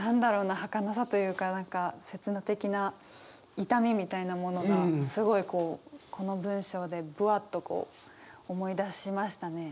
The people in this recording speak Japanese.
はかなさというか何か刹那的な痛みみたいなものがすごいこうこの文章でぶわっとこう思い出しましたね。